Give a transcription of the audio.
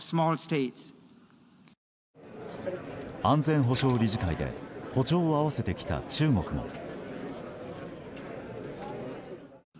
安全保障理事会で歩調を合わせてきた中国も。